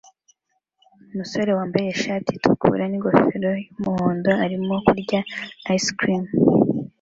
Umusore wambaye ishati itukura n'ingofero y'umuhondo arimo kurya ice cream